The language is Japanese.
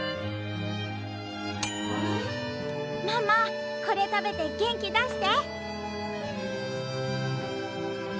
ママこれ食べて元気出して！